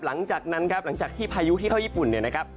หลังจากนั้นครับหลังจากที่พายุที่เข้าญี่ปุ่นเนี่ยนะครับ